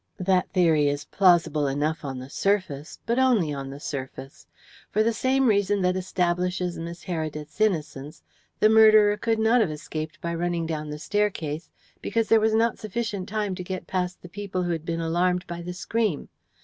"That theory is plausible enough on the surface, but only on the surface. For the same reason that establishes Miss Heredith's innocence, the murderer could not have escaped by running down the staircase, because there was not sufficient time to get past the people who had been alarmed by the scream.